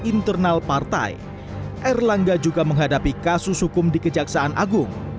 internal partai erlangga juga menghadapi kasus hukum di kejaksaan agung